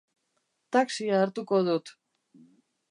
Taxia hartuko dut.